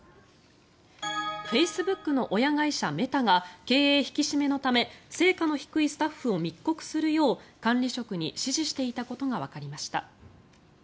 フェイスブックの親会社メタが経営引き締めのため成果の低いスタッフを密告するよう管理職に指示していたことがわかりました。